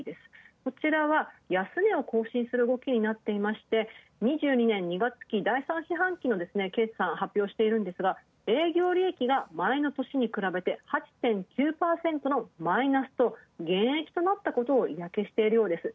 こちらは、安値を更新する動きになっていまして２２年２月期の２２年２月期決算発表していまして営業利益が前の年に比べて８．９％のマイナスと減益となったことが嫌気しているようです。